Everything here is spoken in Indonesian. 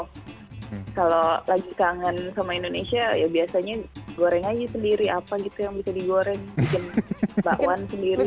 kalau lagi kangen sama indonesia ya biasanya goreng aja sendiri